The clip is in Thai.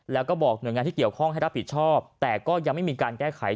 แล้วก็บอกหน่วยงานที่เกี่ยวข้องให้รับผิดชอบแต่ก็ยังไม่มีการแก้ไข